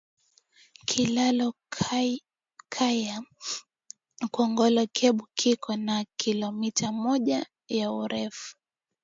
Kilalo kya kongolo keba kiko na kilometa moja ya urefu